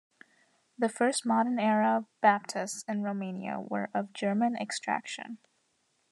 The first modern-era Baptists in Romania were of German extraction.